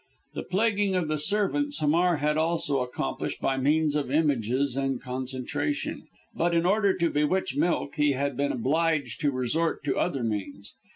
The plaguing of the servants Hamar had also accomplished by means of images and concentration. But in order to bewitch milk, he had been obliged to resort to other means.